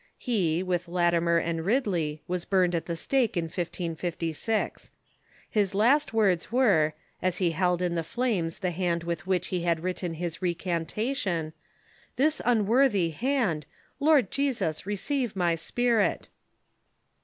He, with Latimer and Ridley, was burned at the stake in 1556. His last words were, as he held in the flames the hand with which he had written his recantation, "This unworthy hand ! Lord Jesus, receive my spirit